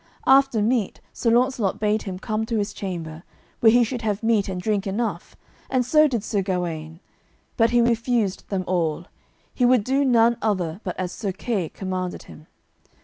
After meat Sir Launcelot bade him come to his chamber, where he should have meat and drink enough, and so did Sir Gawaine; but he refused them all; he would do none other but as Sir Kay commanded him.